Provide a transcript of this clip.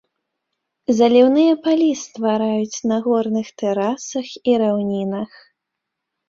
Заліўныя палі ствараюць на горных тэрасах і раўнінах.